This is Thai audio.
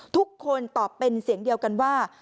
ทุกคนตอบเป็นเสียงเดียวกันว่า